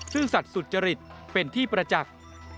ซึ่งสัตว์สุจริตเป็นที่ประจักษ์